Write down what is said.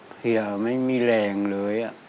เพลียไม่มีแรงเลย